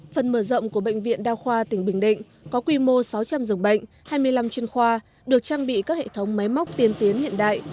phần mở rộng của bệnh viện đa khoa tỉnh bình định có quy mô sáu trăm linh giường bệnh hai mươi năm chuyên khoa được trang bị các hệ thống máy móc tiên tiến hiện đại